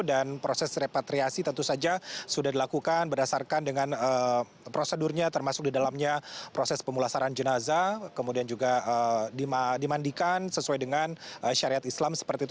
dan proses repatriasi tentu saja sudah dilakukan berdasarkan dengan prosedurnya termasuk di dalamnya proses pemulasaran jenazah kemudian juga dimandikan sesuai dengan syariat islam seperti itu